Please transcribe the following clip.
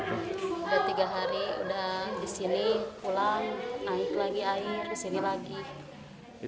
sudah tiga hari sudah di sini pulang naik lagi air di sini lagi